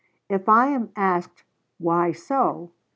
If I am asked, Why so?